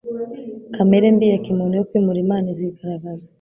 Kamere mbi ya kimuntu yo kwimura Imana izigaragaza.